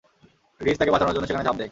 Ridge তাকে বাঁচানোর জন্য সেখানে ঝাঁপ দেয়।